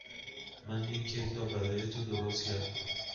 من این کیک را برای تو درست کردم.